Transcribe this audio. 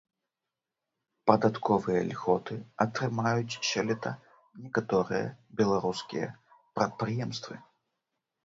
Падатковыя льготы атрымаюць сёлета некаторыя беларускія прадпрыемствы.